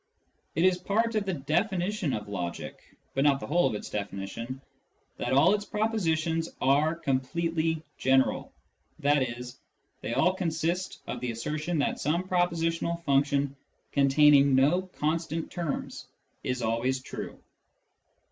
It is part of the definition of logic (but not the whole of its definition) that all its propositions are completely general, i.e. they all consist of the assertion that some propositional function con taining no constant terms is always true.